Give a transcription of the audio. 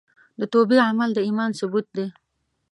د توبې عمل د ایمان ثبوت دی.